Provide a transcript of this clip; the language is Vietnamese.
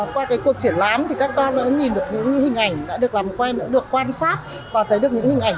qua cuộc triển lãm các con nhìn được những hình ảnh đã được làm quen được quan sát và thấy được những hình ảnh